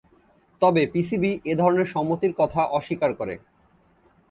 তবে পিসিবি এ ধরনের সম্মতির কথা অস্বীকার করে।